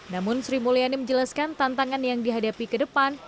namun sri mulyani menjelaskan tantangan yang dihadapi ke depan